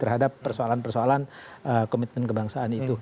terhadap persoalan persoalan komitmen kebangsaan itu